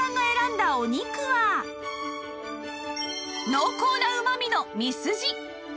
濃厚なうまみのミスジ